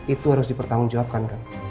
itu harus dipertanggung jawabkan